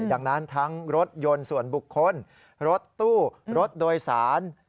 ดังนั้นทั้งรถยนต์ส่วนบุคคลรถตู้รถโดยสาร